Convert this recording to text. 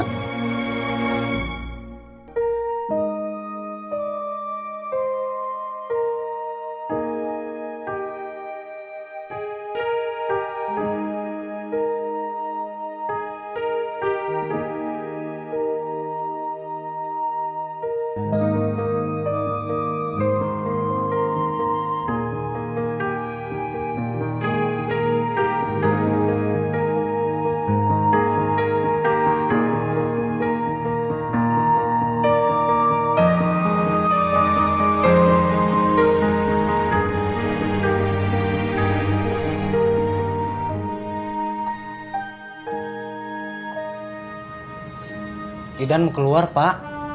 lidan mau keluar pak